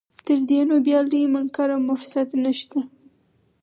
تر دې نو بیا لوی منکر او مفسد نشته.